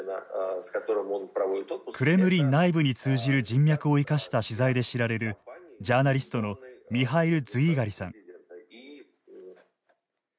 クレムリン内部に通じる人脈を生かした取材で知られるジャーナリストのミハイル・ズィーガリさん。